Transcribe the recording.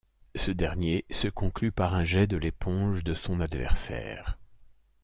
Ce dernier se conclut par un jet de l'éponge de son adversaire.